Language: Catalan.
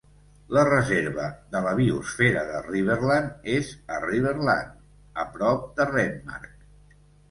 La Reserva de la Biosfera de Riverland és a Riverland, a prop de Renmark.